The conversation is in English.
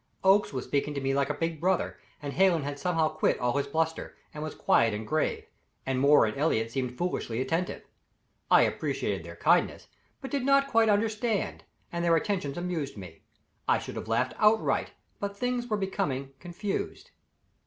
Oakes was speaking to me like a big brother, and Hallen had somehow quit all his bluster, and was quiet and grave, and Moore and Elliott seemed foolishly attentive. I appreciated their kindness, but did not quite understand, and their attentions amused me. I should have laughed outright, but things were becoming confused.